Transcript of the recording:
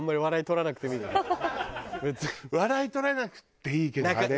笑い取らなくていいけどあれ。